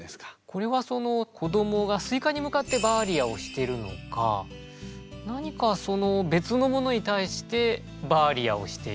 これは子どもが「スイカ」に向かって「バーリア」をしてるのか何か別のものに対して「バーリア」をしていて。